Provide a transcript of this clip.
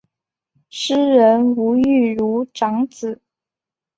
诗人吴玉如长子。